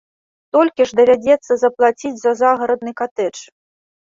Столькі ж давядзецца заплаціць за загарадны катэдж.